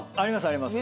あります。